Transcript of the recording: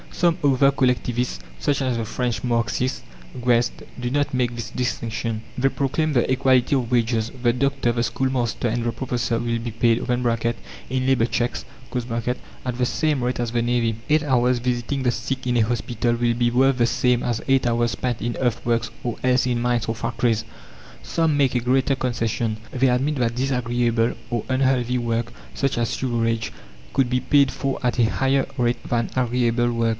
Some other collectivists, such as the French Marxist, Guesde, do not make this distinction. They proclaim the "Equality of Wages." The doctor, the schoolmaster, and the professor will be paid (in labour cheques) at the same rate as the navvy. Eight hours visiting the sick in a hospital will be worth the same as eight hours spent in earthworks or else in mines or factories. Some make a greater concession; they admit that disagreeable or unhealthy work such as sewerage could be paid for at a higher rate than agreeable work.